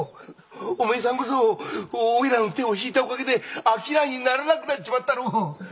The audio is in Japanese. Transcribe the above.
お前さんこそおいらの手を引いたおかげで商いにならなくなっちまったろう。